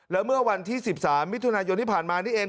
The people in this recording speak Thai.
แล้วเมื่อวันที่๑๓มิถุนายนที่ผ่านมานี่เอง